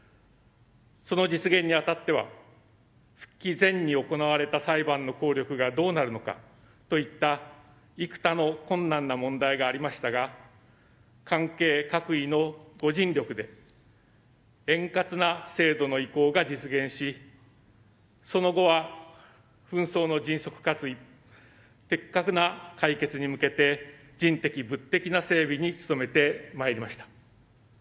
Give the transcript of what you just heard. その実現にあたっては復帰前に行われた裁判の効力がどうなるのかといった幾多の困難な問題がありましたが関係各位の御尽力で円滑な制度の移行が実現しその後は紛争の迅速かつ的確な解決に向けて人的、物的な整備に努めてまいりました。